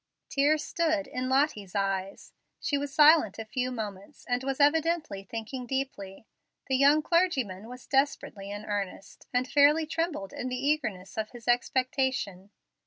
Tears stood in Lottie's eyes. She was silent a few moments, and was evidently thinking deeply. The young clergyman was desperately in earnest, and fairly trembled in the eagerness of his expectation.